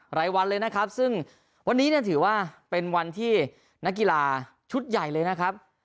รายวันเลยนะครับซึ่งวันนี้เนี่ยถือว่าเป็นวันที่นักกีฬาชุดใหญ่เลยนะครับ